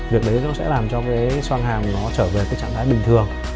việc đấy nó sẽ làm cho cái xoang hàm nó trở về cái trạng thái bình thường